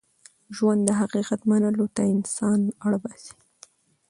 ژوند د حقیقت منلو ته انسان اړ باسي.